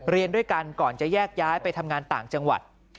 เรียนด้วยกันก่อนจะแยกย้ายไปทำงานต่างจังหวัด